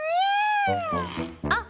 あっ！